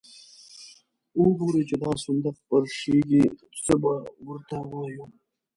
او وګوري چې دا صندوق پرشېږي، څه به ور ته وایو.